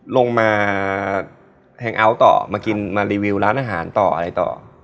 ลงมาแฮงอัลต่อมารีวิวร้านอาหารต่ออะไรต่อ